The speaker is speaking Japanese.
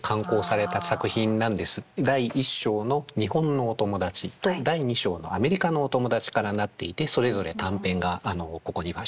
第一章の「日本のおともだち」と第二章の「アメリカのおともだち」からなっていてそれぞれ短編があのここには収録されています。